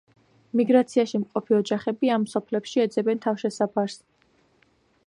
მიგრაციაში მყოფი ოჯახები ამ სოფლებში ეძებენ თავშესაფარს.